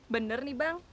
bener nih bang